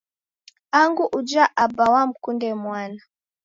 Angu uja aba wamkunde mwana